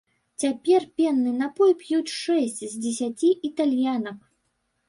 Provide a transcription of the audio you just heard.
Цяпер пенны напой п'юць шэсць з дзесяці італьянак.